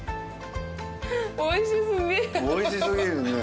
おいしすぎるね。